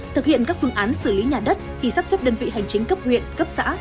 thực hiện các phương án xử lý nhà đất khi sắp xếp đơn vị hành chính cấp huyện cấp xã